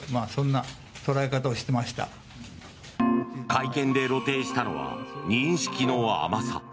会見で露呈したのは認識の甘さ。